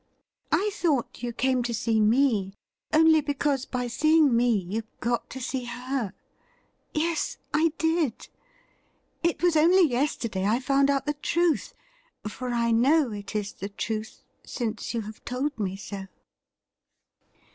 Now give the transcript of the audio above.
I thought you came to see me only because by seeing me you got to see her. Yes, I did. It was only yesterday I found out the truth ; for I know it is the truth, since you have told me so.'